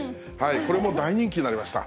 これも大人気になりました。